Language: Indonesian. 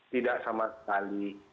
tidak sama sekali